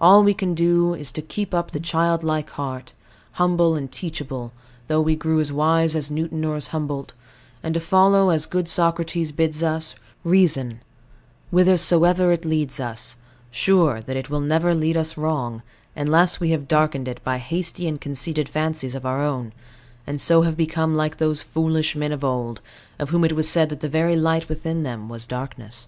All we can do is, to keep up the childlike heart, humble and teachable, though we grew as wise as Newton or as Humboldt; and to follow, as good Socrates bids us, Reason whithersoever it leads us, sure that it will never lead us wrong, unless we have darkened it by hasty and conceited fancies of our own, and so have become like those foolish men of old, of whom it was said that the very light within them was darkness.